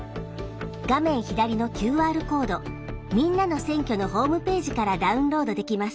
画面左のＱＲコード「みんなの選挙」のホームページからダウンロードできます。